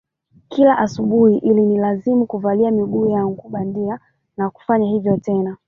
Kila asubuhi ilinilazimu kuvalia miguu yangu bandia na kufanya hivyo tena